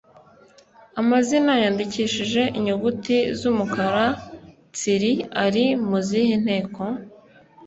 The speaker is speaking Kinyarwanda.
amazina yandikishije inyuguti z’umukara tsiri ari mu zihe nteko?